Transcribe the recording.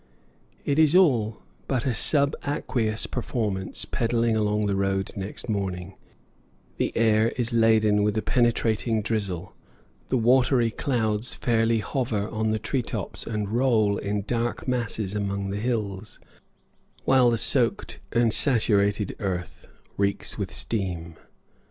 It is all but a sub aqueous performance pedalling along the road next morning; the air is laden with a penetrating drizzle, the watery clouds fairly hover on the tree tops and roll in dark masses among the hills, while the soaked and saturated earth reeks with steam.